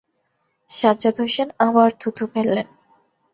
সাজ্জাদ হোসেন আবার থুথু ফেললেন।